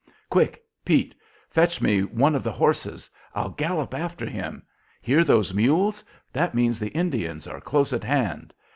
"Quick! Pete. Fetch me any one of the horses. I'll gallop after him. Hear those mules? That means the Indians are close at hand!"